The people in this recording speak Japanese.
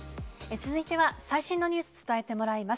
続いては最新のニュース、伝えてもらいます。